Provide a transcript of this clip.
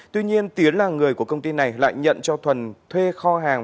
tuy nhiên tiến là người của công ty này lại nhận cho thuần thuê kho hàng